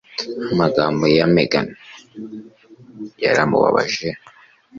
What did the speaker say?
Amagambo ya Megan yaramubabaje.